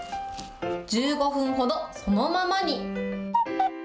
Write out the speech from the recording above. １５分ほどそのままに。